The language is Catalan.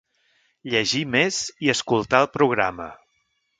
Llegir més i escoltar el programa.